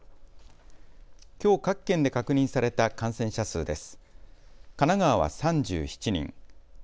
きょう各県で確認された感染者数です。